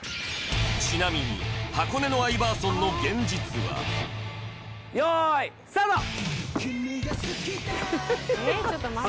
ちなみに箱根のアイバーソンの現実は用意スタート